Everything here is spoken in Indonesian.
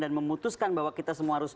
dan memutuskan bahwa kita semua harus